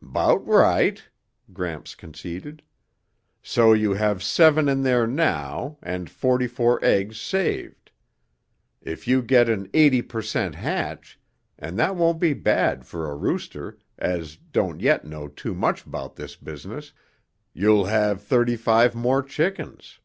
"'Bout right," Gramps conceded. "So you have seven in there now and forty four eggs saved. If you get an eighty per cent hatch, and that won't be bad for a rooster as don't yet know too much 'bout his business, you'll have thirty five more chickens.